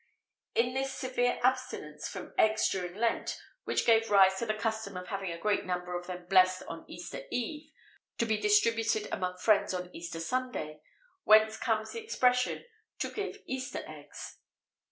It is this severe abstinence from eggs during Lent which gave rise to the custom of having a great number of them blessed on Easter eve, to be distributed among friends on Easter Sunday; whence comes the expression, "to give Easter eggs."